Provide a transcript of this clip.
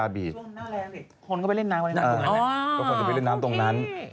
มีหินย้อยด้วยนะ